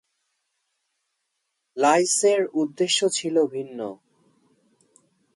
লাঈছের উদ্দেশ্য ছিল ভিন্ন।